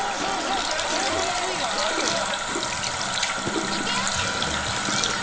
証拠のＶがあるよな？